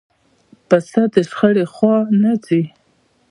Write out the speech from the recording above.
پسه د شخړې خوا نه ځي.